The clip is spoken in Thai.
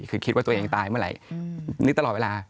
คือคิดว่าตัวเองตายเมื่อไหร่นี่ตลอดเวลา